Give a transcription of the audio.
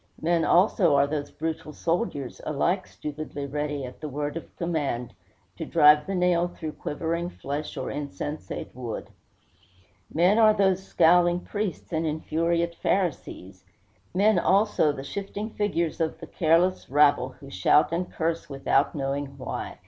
Men also are those brutal soldiers, alike stupidly ready, at the word of command, to drive the nail through quivering flesh or insensate wood. Men are those scowling priests and infuriate Pharisees. Men, also, the shifting figures of the careless rabble, who shout and curse without knowing why.